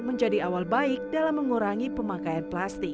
menjadi awal baik dalam mengurangi pemakaian plastik